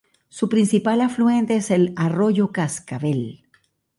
Su principal afluente es el arroyo Cascavel.